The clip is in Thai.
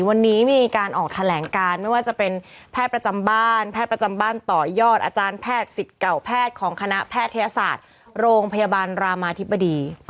วันนี้มีออกแถลงการแพทย์ประจำบ้านต่อยอดอาจารย์แพทย์สิทธิ์เก่าแพทย์ของคณะแพทยศาสตร์โรงพยาบาลรามาธิบดี